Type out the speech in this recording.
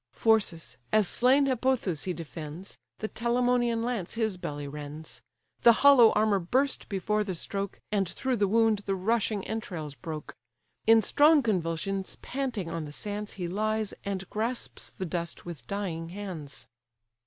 Phorcys, as slain Hippothous he defends, The Telamonian lance his belly rends; The hollow armour burst before the stroke, And through the wound the rushing entrails broke: In strong convulsions panting on the sands He lies, and grasps the dust with dying hands.